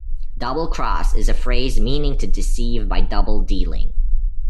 Double cross is a phrase meaning to deceive by double-dealing.